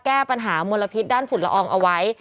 แก้ปัญหามลพิษด้านฝุ่นละอองเอาไว้